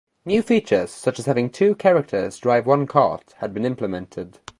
New features, such as having two characters drive one kart, had been implemented.